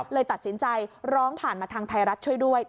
เลยตัดสินใจร้องผ่านมาทางไทยรัฐช่วยด้วย